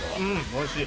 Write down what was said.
おいしい。